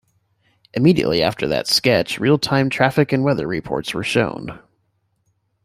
Immediately after that sketch, real-time traffic and weather reports were shown.